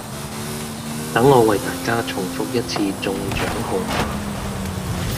等我為大家重覆一次中獎號碼